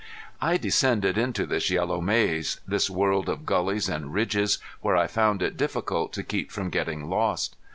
I descended into this yellow maze, this world of gullies and ridges where I found it difficult to keep from getting lost.